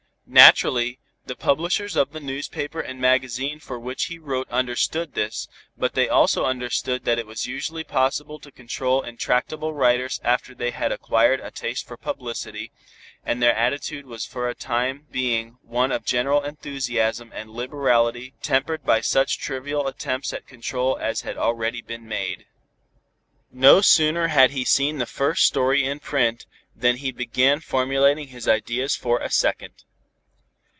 Naturally, the publishers of the newspaper and magazine for which he wrote understood this, but they also understood that it was usually possible to control intractable writers after they had acquired a taste for publicity, and their attitude was for the time being one of general enthusiasm and liberality tempered by such trivial attempts at control as had already been made. No sooner had he seen the first story in print than he began formulating his ideas for a second.